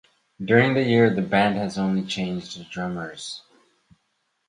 During the years, the band has only changed drummers.